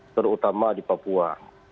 terutama di papua